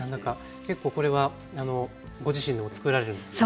結構これはご自身でもつくられるんですか？